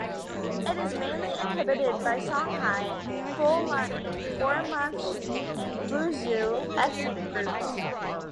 It is mainly inhabited by Songhai, Fulani, Gourmantche and Buzu ethnic groups.